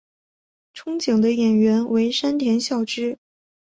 憧憬的演员为山田孝之。